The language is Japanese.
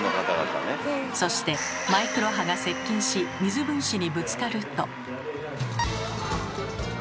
そしてマイクロ波が接近し水分子にぶつかると。